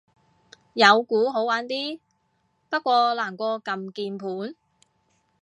有鼓好玩啲，不過難過撳鍵盤